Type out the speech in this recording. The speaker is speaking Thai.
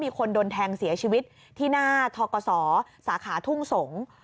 มีคนโดนแทงเสียชีวิตที่หน้าทกศสาขาทุ่งสงศ์